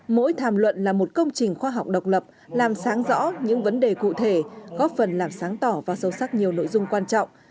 mỗi tham luận là một công trình khoa học độc lập làm sáng rõ những vấn đề cụ thể góp phần làm sáng tỏ và sâu sắc nhiều nội dung quan trọng